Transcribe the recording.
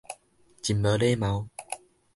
真無禮貌